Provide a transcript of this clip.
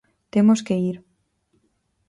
Temos que ir.